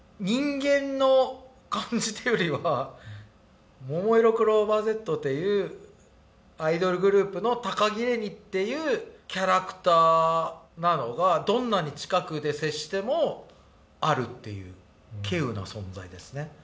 人間の感じというよりはももいろクローバーＺっていうアイドルグループの高城れにっていうキャラクターなのがどんなに近くで接してもあるっていうけうな存在ですね